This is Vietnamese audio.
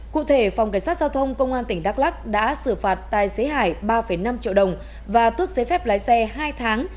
cụ thể phòng cảnh sát giao thông công an tỉnh đắk lắc đã xử phạt tài xế hải ba năm triệu đồng và tước giấy phép lái xe hai tháng